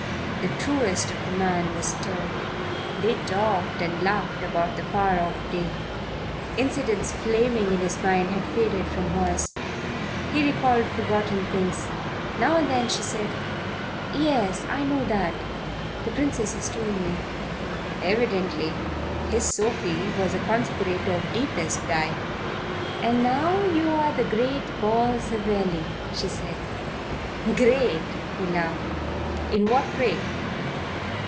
The truest of the man was stirred. They talked and laughed about the far off day. Incidents flaming in his mind had faded from hers. He recalled forgotten things. Now and then she said: "Yes, I know that. The Princess has told me." Evidently his Sophie was a conspirator of deepest dye. "And now you're the great Paul Savelli," she said. "Great?" He laughed. "In what way?"